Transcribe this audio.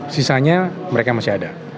sisanya mereka masih ada